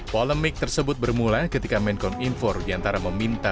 polemik tersebut bermula ketika menkom info rudiantara meminta